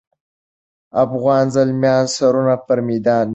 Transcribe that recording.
افغاني زلمیان سرونه پر میدان ږدي.